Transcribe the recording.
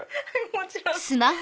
もちろん！